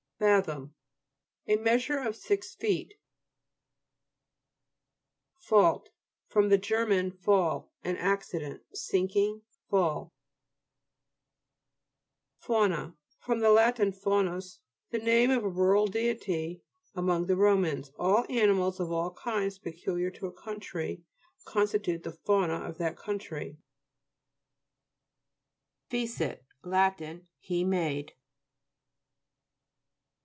FATHOM A measure of six feet. FAULT fr. ger. fall, an accident, sinking, fall (p. 158). FAU'NA fr. lat. faunus, the name of a rural deity among the Romans. All animals of all kinds peculiar to a country constitute the fauna of that country. FECIT Lat. He made.